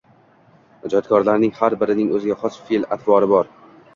Ijodkorlarning har birining o‘ziga xos fe’l-atvori bor.